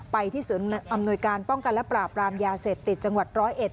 ไปที่ศูนย์อำนวยการป้องกันและปราบรามยาเสพติดจังหวัดร้อยเอ็ด